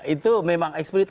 itu memang eksplisit